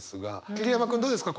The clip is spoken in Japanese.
桐山君どうですか？